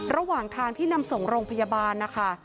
ระหว่างทางที่นำส่งโรงพยาบาลนะคะ